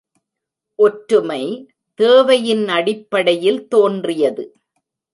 ஒற்றுமை, தேவையின் அடிப்படையில் தோன்றியது.